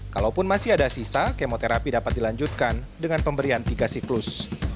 kalaupun masih ada sisa kemoterapi dapat dilanjutkan dengan pemberian tiga siklus